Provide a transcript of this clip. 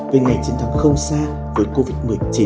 về ngày chiến thắng không xa với covid một mươi chín